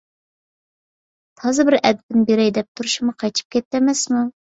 تازا بىر ئەدىپىنى بېرەي دەپ تۇرۇشۇمغا قېچىپ كەتتى ئەمەسمۇ؟